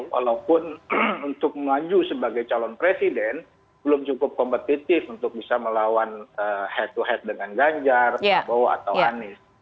walaupun untuk maju sebagai calon presiden belum cukup kompetitif untuk bisa melawan head to head dengan ganjar prabowo atau anies